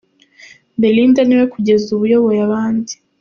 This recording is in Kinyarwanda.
Belinda niwe kugeza ubu uyoboye abandi.